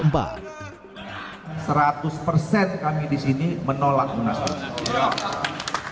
seratus persen kami di sini menolak munaslup